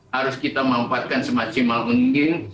harus kita memanfaatkan semaksimal mungkin